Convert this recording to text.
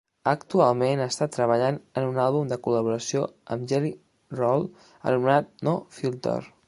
Actualment està treballant en un àlbum de col·laboració amb JellyRoll anomenat "No Filter".